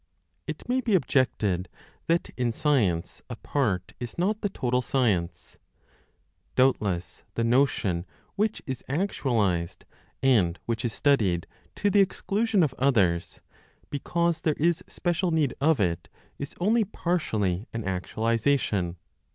It may be objected that in science a part is not the total science. Doubtless, the notion which is actualized, and which is studied to the exclusion of others, because there is special need of it, is only partially an actualization.